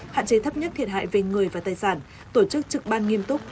hạn chế thấp nhất thiệt hại về người và tài sản tổ chức trực ban nghiêm túc